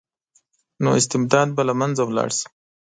نو استبداد به له منځه لاړ شي.